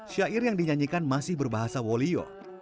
syair yang dinyanyikan masih berbahasa wolio